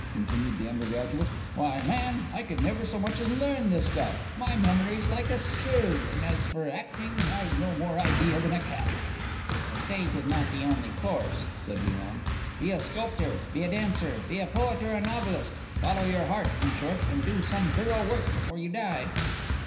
continued the undergraduate. "Why, man, I could never so much as learn the stuff; my memory's like a sieve; and as for acting, I've no more idea than a cat." "The stage is not the only course," said Léon. "Be a sculptor, be a dancer, be a poet or a novelist; follow your heart, in short, and do some thorough work before you die."